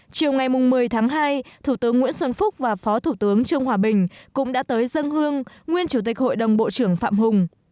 chiều ngày một mươi tháng hai thủ tướng nguyễn xuân phúc và phó thủ tướng trương hòa bình cũng đã tới dân hương nguyên chủ tịch hội đồng bộ trưởng phạm hùng